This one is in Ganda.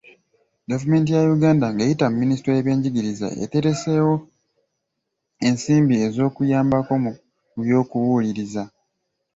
Gavumenti ya Uganda ng'eyita mu Minisitule y'ebyenjigiriza n'emizannyo etereseewo ensimbi oz'okuyambako mu by'okubuuliriza.